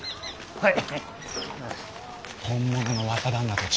はい！